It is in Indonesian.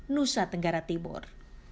nusa tenggara tibur